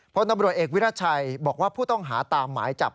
พลตำรวจเอกวิรัชัยบอกว่าผู้ต้องหาตามหมายจับ